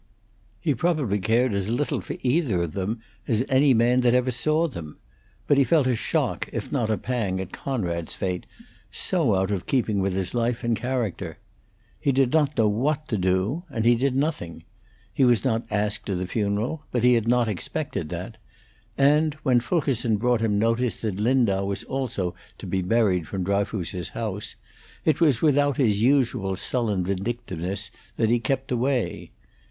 He probably cared as little for either of them as any man that ever saw them; but he felt a shock, if not a pang, at Conrad's fate, so out of keeping with his life and character. He did not know what to do; and he did nothing. He was not asked to the funeral, but he had not expected that, and, when Fulkerson brought him notice that Lindau was also to be buried from Dryfoos's house, it was without his usual sullen vindictiveness that he kept away.